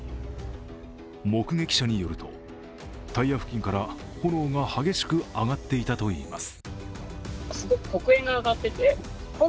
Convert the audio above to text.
目撃者によるとタイヤ付近から炎が激しく上がっていたといいます。